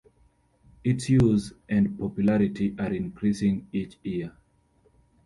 Its use and popularity are increasing each year.